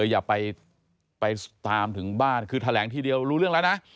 อย่าไปตามถึงบ้านคือแถลงทีเดียวรู้เรื่องแล้วนะ